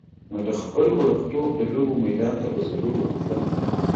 نو د خپل وړکتوب د لوبو میدان ته به ضرور ورتللم.